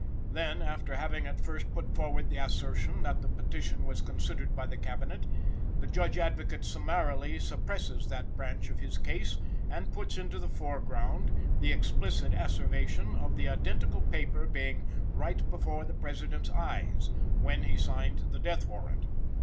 Then, after having at first put forward the assertion that the petition was considered by the Cabinet, the Judge Advocate summarily suppresses that branch of his case, and puts into the foreground the explicit asseveration of the identical paper being "right before the President's eyes" when he signed the death warrant.